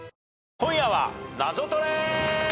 『今夜はナゾトレ』